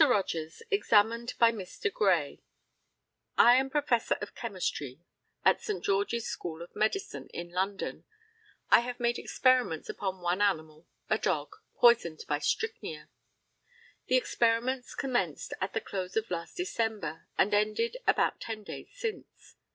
ROGERS, examined by Mr. GRAY: I am Professor of Chemistry at St. George's School of Medicine, in London. I have made experiments upon one animal (a dog) poisoned by strychnia. The experiments commenced at the close of last December, and ended about ten days since.